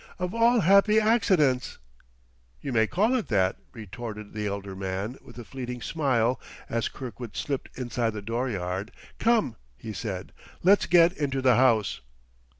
"Of all happy accidents!" "You may call it that," retorted the elder man with a fleeting smile as Kirkwood slipped inside the dooryard. "Come," he said; "let's get into the house."